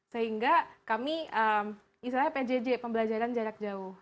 sehingga kami istilahnya pjj pembelajaran jarak jauh